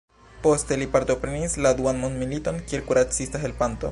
Poste li partoprenis la duan mondmiliton kiel kuracista helpanto.